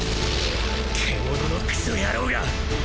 獣のクソ野郎が！！